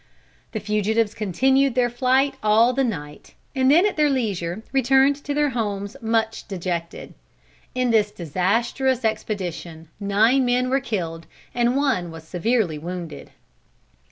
The fugitives continued their flight all the night, and then at their leisure returned to their homes much dejected. In this disastrous expedition, nine men were killed and one was severely wounded.